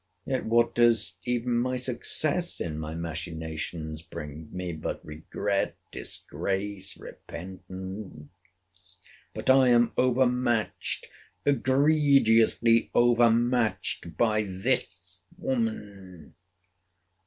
Yet what does even my success in my machinations bring me but regret, disgrace, repentance? But I am overmatched, egregiously overmatched, by this woman.